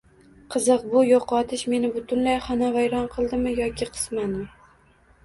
Qiziq, bu yoʻqotish meni butunlay xonavayron qildimi yoki qismanmi?